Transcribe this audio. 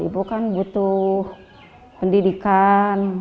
ibu kan butuh pendidikan